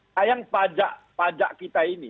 kayang pajak kita ini